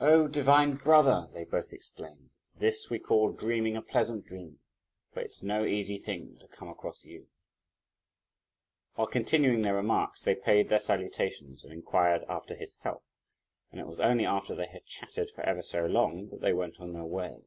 "Oh divine brother!" they both exclaimed, "this we call dreaming a pleasant dream, for it's no easy thing to come across you!" While continuing their remarks they paid their salutations, and inquired after his health; and it was only after they had chatted for ever so long, that they went on their way.